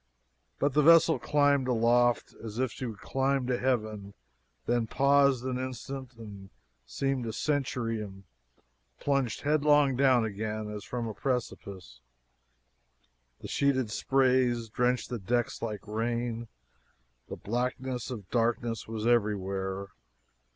But the vessel climbed aloft as if she would climb to heaven then paused an instant that seemed a century and plunged headlong down again, as from a precipice. The sheeted sprays drenched the decks like rain. The blackness of darkness was everywhere.